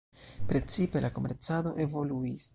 Precipe la komercado evoluis.